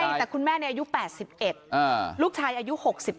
ใช่แต่คุณแม่อายุ๘๑ลูกชายอายุ๖๒